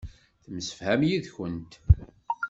Temsefham yid-kent.